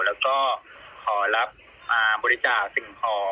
แล้วก็ขอรับบุริษัททดิสการ